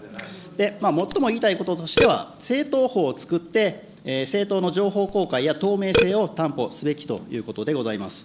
最も言いたいこととしては、政党法を作って政党の情報公開や透明性を担保すべきということでございます。